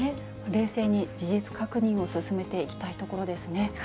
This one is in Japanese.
冷静に事実確認を進めていきたいところですね。